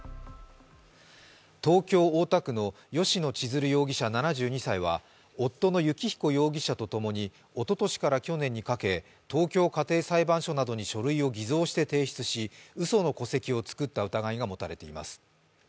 東京・大田区の吉野千鶴容疑者７２歳は夫の幸彦容疑者とともにおととしから去年にかけ東京家庭裁判所などに書類を偽造して提出し、うその戸籍を作った疑いが持たれています。